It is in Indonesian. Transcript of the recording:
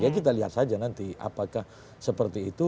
ya kita lihat saja nanti apakah seperti itu